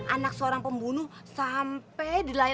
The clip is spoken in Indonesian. anak seorang pembunuh sampai ke rumahnya